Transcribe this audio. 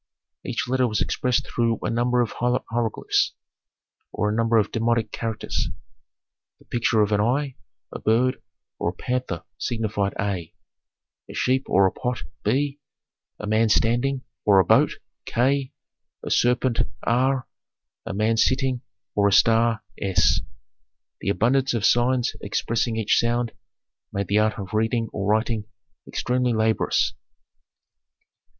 Each letter was expressed through a number of hieroglyphs, or a number of demotic characters. The picture of an eye, a bird, or a panther signified A, a sheep or a pot B, a man standing or a boat K, a serpent R, a man sitting or a star S. The abundance of signs expressing each sound made the art of reading or writing extremely laborious.